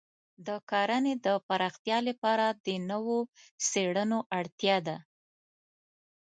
د کرنې د پراختیا لپاره د نوو څېړنو اړتیا ده.